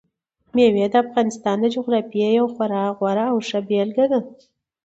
مېوې د افغانستان د جغرافیې یوه خورا غوره او ښه بېلګه ده.